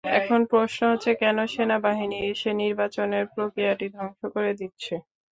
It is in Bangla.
এখন প্রশ্ন হচ্ছে কেন সেনাবাহিনী এসে নির্বাচনের প্রক্রিয়াটি ধ্বংস করে দিচ্ছে?